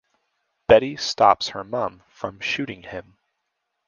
Betty stops her mum from shooting him.